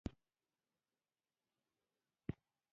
بدې خبرې کرکه پیدا کوي.